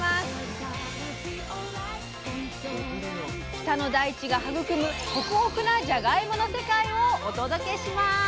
北の大地が育むホクホクなじゃがいもの世界をお届けします！